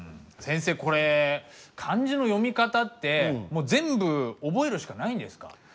先生これ漢字の読み方ってもう全部覚えるしかないんですか？